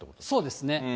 そうですね。